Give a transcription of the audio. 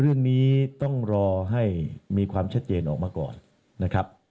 เรื่องนี้ต้องรอให้มีความชัดเจนออกมาก่อนนะครับ